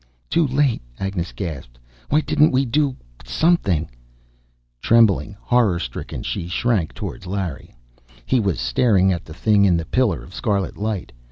"Too late!" Agnes gasped. "Why didn't we do something?" Trembling, horror stricken, she shrank toward Larry. He was staring at the thing in the pillar of scarlet light.